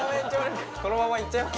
このままいっちゃいます？